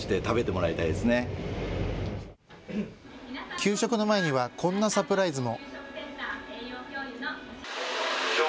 給食の前にはこんなサプライズも。